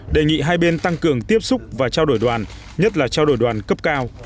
đề nghị hai bên tăng cường tiếp xúc và trao đổi đoàn nhất là trao đổi đoàn cấp cao